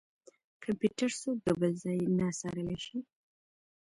کمپيوټر څوک د بل ځای نه څارلی شي.